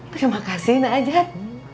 terima kasih nek ajat